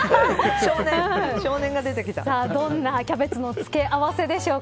どんなキャベツの付け合わせでしょうか。